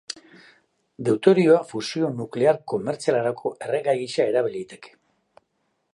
Deuterioa fusio nuklear komertzialerako erregai gisa erabili liteke.